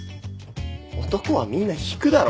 男はみんな引くだろ。